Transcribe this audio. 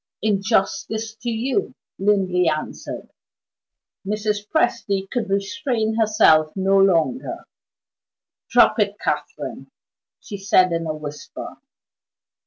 "In justice to you," Linley answered. Mrs. Presty could restrain herself no longer. "Drop it, Catherine!" she said in a whisper.